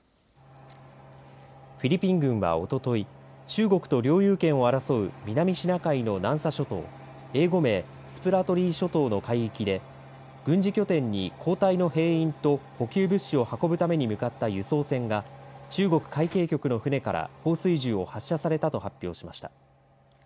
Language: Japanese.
フィリピン軍は、おととい中国と領有権を争う南シナ海の南沙諸島英語名スプラトリー諸島の海域で軍事拠点に交代の兵員と補給物資を運ぶために向かった輸送船が中国海警局の船から放水銃を発射されたと発表しました。